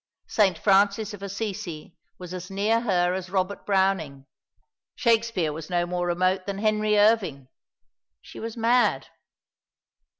Saint Francis of Assisi was as near her as Robert Browning. Shakespeare was no more remote than Henry Irving. She was mad.